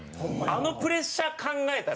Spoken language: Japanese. あのプレッシャー考えたら。